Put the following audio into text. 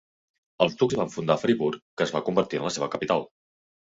Els ducs hi van fundar Friburg, que es va convertir en la seva capital.